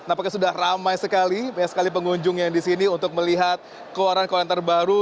apakah sudah ramai sekali pengunjung yang di sini untuk melihat keluaran keluaran terbaru